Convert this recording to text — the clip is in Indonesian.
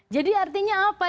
jadi artinya apa